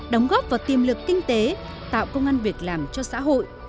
đóng góp vào tiềm lực kinh tế tạo công an việc làm cho xã hội